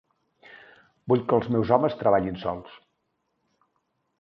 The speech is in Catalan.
Vull que els meus homes treballin sols.